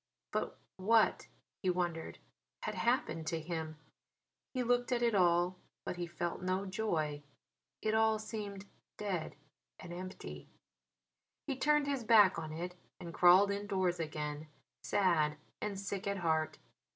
But what he wondered had happened to him? He looked at it all, but he felt no joy. It all seemed dead and empty. He turned his back on it and crawled indoors again, sad and sick at heart.